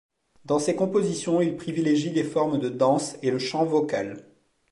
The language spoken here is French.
Dans ses compositions, il privilégie les formes de danse et le chant vocal.